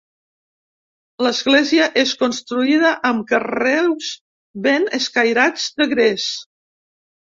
L'església és construïda amb carreus ben escairats, de gres.